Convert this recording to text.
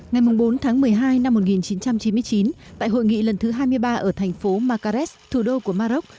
ngày bốn tháng một mươi hai năm một nghìn chín trăm chín mươi chín tại hội nghị lần thứ hai mươi ba ở thành phố makares thủ đô của maroc